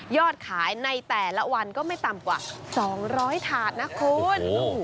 ขายในแต่ละวันก็ไม่ต่ำกว่า๒๐๐ถาดนะคุณ